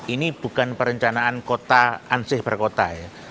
ini bukan perencanaan kota ansih berkota